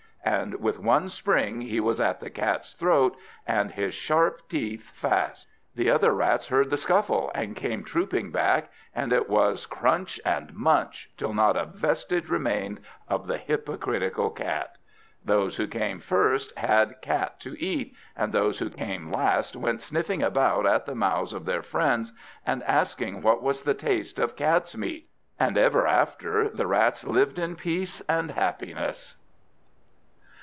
And with one spring he was at the Cat's throat, and his sharp teeth fast. The other Rats heard the scuffle, and came trooping back; and it was crunch and munch, till not a vestige remained of the hypocritical Cat. Those who came first had cat to eat, and those who came last went sniffing about at the mouths of their friends, and asking what was the taste of catsmeat. And ever after the Rats lived in peace and happiness.